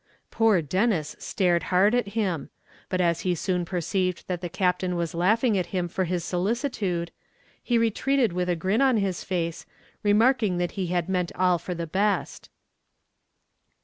Poor Denis stared hard at him; but as he soon perceived that the Captain was laughing at him for his solicitude, he retreated with a grin on his face, remarking that he had meant all for the best.